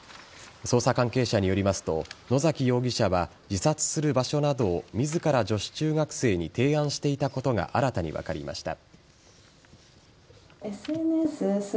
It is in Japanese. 捜査関係者によりますと野崎容疑者は自殺する場所などを自ら女子中学生に提案していたことが新たに分かりました。